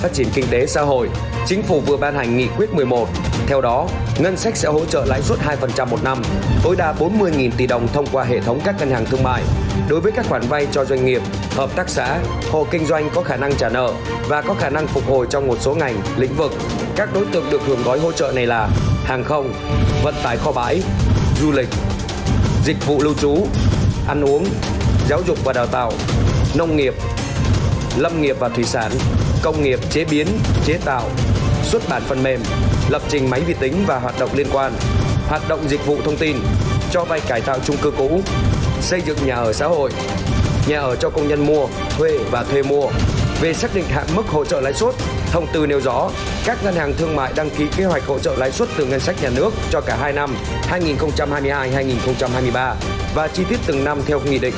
các ngân hàng thương mại đăng ký kế hoạch hỗ trợ lãi suất từ ngân sách nhà nước cho cả hai năm hai nghìn hai mươi hai hai nghìn hai mươi ba và chi tiết từng năm theo nghị định ba mươi một